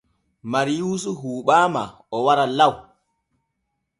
Mariyuusi huuɓaama o wara law.